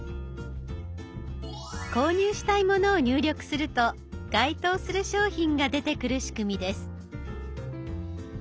購入したいものを入力すると該当する商品が出てくる仕組みです。